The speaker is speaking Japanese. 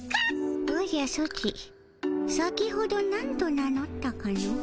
おじゃソチ先ほどなんと名のったかの？